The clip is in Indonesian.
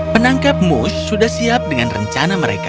penangkap moos sudah siap dengan rencana mereka